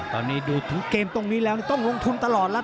ตอนนี้ดูถึงเกมตรงนี้แล้วต้องลงทุนตลอดแล้ว